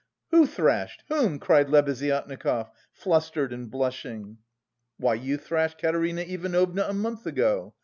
"Who thrashed? Whom?" cried Lebeziatnikov, flustered and blushing. "Why, you thrashed Katerina Ivanovna a month ago.